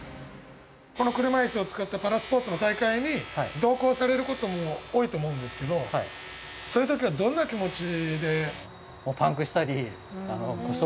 この車いすを使ったパラスポーツの大会に同行されることも多いと思うんですけどそういう時はどんな気持ちで？